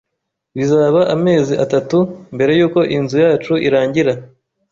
Bizaba amezi atatu mbere yuko inzu yacu irangira